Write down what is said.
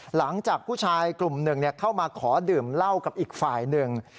หลังจากผู้ชายกลุ่มหนึ่งเข้ามาขอดื่มเหล้ากับอีกฝ่ายหนึ่ง